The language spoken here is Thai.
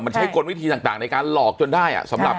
มันใช้กฎวิธีต่างในการหลอกจนได้